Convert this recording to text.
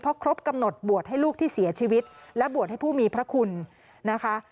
เพราะครบกำหนดบวชให้ลูกที่เสียชีวิตและบวชให้ผู้มีพระคุณนะคะ